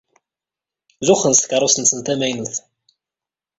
Zuxxen s tkeṛṛust-nsen tamaynut.